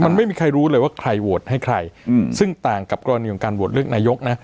มันไม่มีใครรู้เลยว่าใครโหวตให้ใครซึ่งต่างกับกรณีของการโหวตเลือกนายกนะ